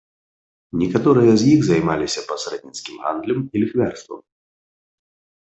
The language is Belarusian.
Некаторыя з іх займаліся пасрэдніцкім гандлем і ліхвярствам.